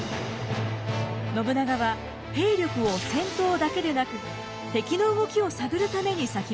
信長は兵力を戦闘だけでなく敵の動きを探るために割きました。